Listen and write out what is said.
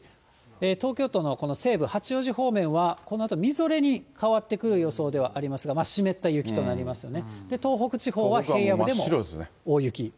東京都の西部、八王子方面はこのあとみぞれに変わってくる予想ではありますが、湿った雪となりますよね。